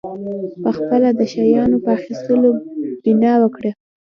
پخپله د شیانو په اخیستلو بنا وکړه.